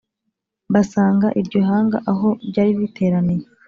Basanga iryo hanga aho ryari riteraniye